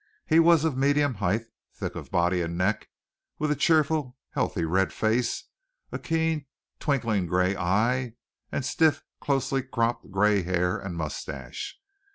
He was of medium height, thick of body and neck, with a cheerful, healthy red face, a keen, twinkling gray eye, and stiff, closely cropped gray hair and mustache.